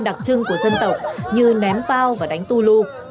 đặc trưng của dân tộc như ném bao và đánh tu lu